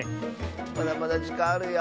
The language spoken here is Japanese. まだまだじかんあるよ。